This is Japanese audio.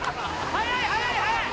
速い速い速い！